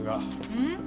うん？